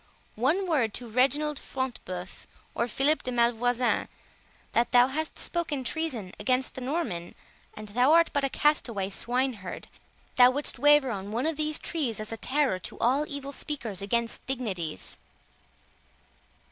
One word to Reginald Front de Bœuf, or Philip de Malvoisin, that thou hast spoken treason against the Norman,—and thou art but a cast away swineherd,—thou wouldst waver on one of these trees as a terror to all evil speakers against dignities."